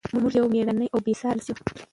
موږ یو مېړنی او بې ساري ولس یو.